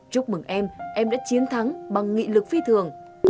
chúc mừng em em em đã chiến thắng bằng nghị lực phi thường